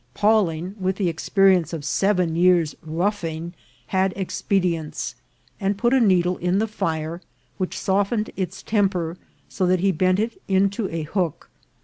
Pawling, with the experience of seven years' " roughing," had expedients, and put a needle in the fire, which softened its temper, so that he bent it into a hook.